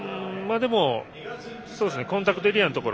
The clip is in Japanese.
コンタクトエリアのところ。